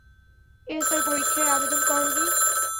SI পরীক্ষায় আবেদন করোনি?